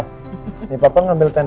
nanti kita buat ya dia sekarang